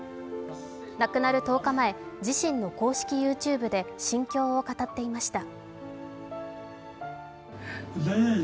亡くなる１０日前、自身の公式ＹｏｕＴｕｂｅで心境を語っていました。